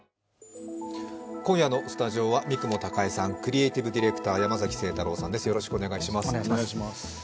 今夜のスタジオは三雲孝江さん、クリエイティブ・ディレクター山崎晴太郎です。